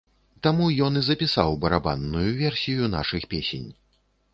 Таму ён і запісаў барабанную версію нашых песень.